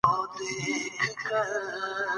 وګړي د افغان ښځو په ژوند کې هم یو رول لري.